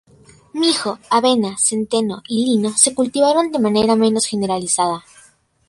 Mijo, avena, centeno y lino se cultivaron de manera menos generalizada.